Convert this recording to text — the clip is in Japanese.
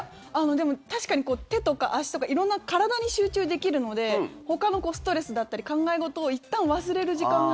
でも、確かに手とか足とか色んな体に集中できるのでほかのストレスだったり考え事をいったん忘れる時間が。